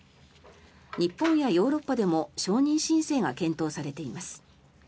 日本やヨーロッパでも承認申請が検討されています。